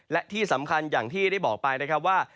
และที่สำคัญอย่างที่ได้บอกไปนะครับว่า